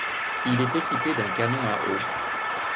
Il est équipé d'un canon à eau.